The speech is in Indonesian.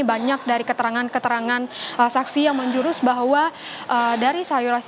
banyak dari keterangan keterangan saksi yang menjurus bahwa dari sayuran